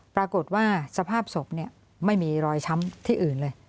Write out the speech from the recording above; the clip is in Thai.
ปรากฏว่าสภาพศพไม่มีรอยช้ำที่อื่นเลย